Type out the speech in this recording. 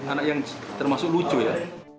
anak yang termasuk lucu ya